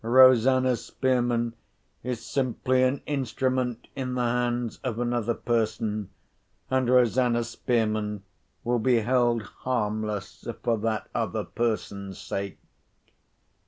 "Rosanna Spearman is simply an instrument in the hands of another person, and Rosanna Spearman will be held harmless for that other person's sake."